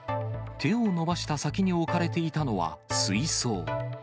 手を伸ばした先に置かれていたのは水槽。